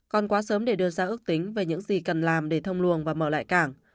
còn quá sớm để đưa ra ước tính về những gì cần làm để thông luồng và mở lại cảng